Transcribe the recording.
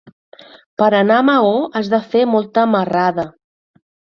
Per anar a Maó has de fer molta marrada.